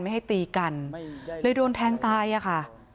ไม่ให้ตีกันเลยโดนแทงตายอะค่ะ